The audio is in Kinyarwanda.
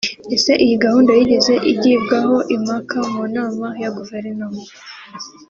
Ese iyi gahunda yigeze igibwaho impaka mu nama ya guverinoma